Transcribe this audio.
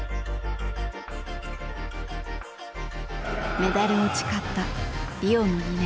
メダルを誓ったリオの２年後。